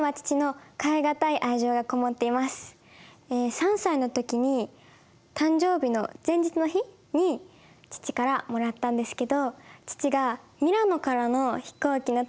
３歳の時に誕生日の前日の日に父からもらったんですけど父がミラノからの飛行機の時に買ってくれました。